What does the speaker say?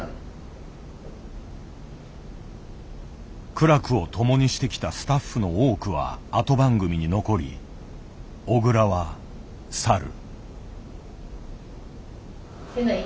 苦楽を共にしてきたスタッフの多くは後番組に残り小倉は去る。